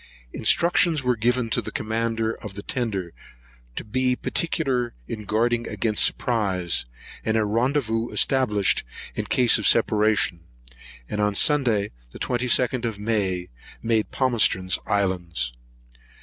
Instructions were given to the commander of the tender to be particular in guarding against surprise, and a rendezvous established, in case of separation; and on Sunday, the 22nd of May, made Palmerston's Islands.